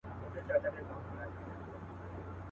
د خیال پر ښار مي لکه ستوری ځلېدلې .